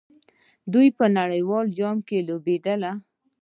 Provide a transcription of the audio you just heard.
دوی په نړیوال جام کې لوبېدلي.